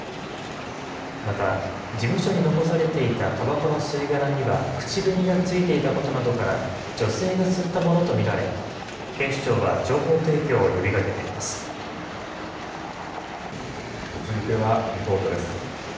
また、事務所に残されていたたばこの吸い殻には口紅がついていたことなどから、女性が吸ったものと見られ、警視庁は情報提供を呼びかけ続いてはリポートです。